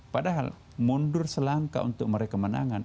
padahal mundur selangkah untuk meraih kemenangan